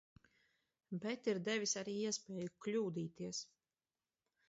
Bet ir devis arī iespēju kļūdīties.